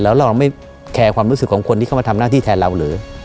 แล้วเราไม่แคร์ความรู้สึกของคนที่เข้ามาทำหน้าที่แทนเราหรือ